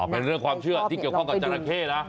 เป็นเรื่องความเชื่อที่เกี่ยวข้องกับจราเข้นะ